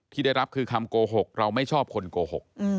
ที่ได้รับคือคำโกหกเราไม่ชอบคนโกหก